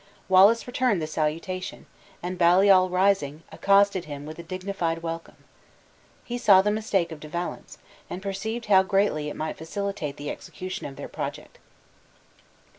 Wallace returned the salutation, and Baliol rising, accosted him with a dignified welcome. He saw the mistake of De Valence, and perceived how greatly it might facilitate the execution of their project.